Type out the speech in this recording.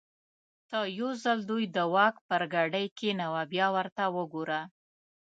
ته یو ځل دوی د واک پر ګدۍ کېنوه بیا ورته وګوره.